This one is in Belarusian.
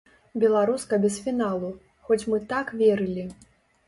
Беларуска без фіналу, хоць мы так верылі.